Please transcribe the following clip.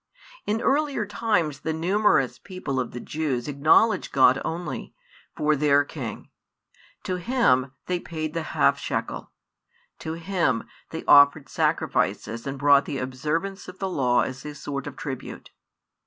In earlier times the numerous people of the Jews acknowledged God only for their king: to Him they paid the half shekel, to Him they offered sacrifices and brought the observance of the Law as a sort of tribute.